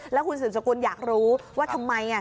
แล้วคุณสืบสกุลอยากรู้ว่าทำไม